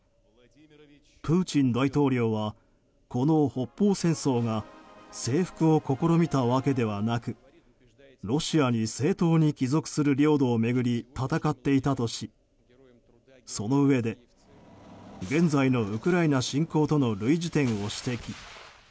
プーチン大統領はこの北方戦争が征服を試みたわけではなくロシアに正当に帰属する領土を巡り、戦っていたとしそのうえで現在のウクライナ侵攻との類似点を指摘。